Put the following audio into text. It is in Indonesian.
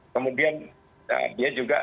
kemudian dia juga